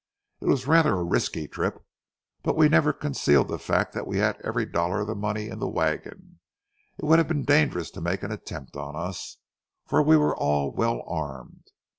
It was rather a risky trip, but we never concealed the fact that we had every dollar of the money in the wagon. It would have been dangerous to make an attempt on us, for we were all well armed.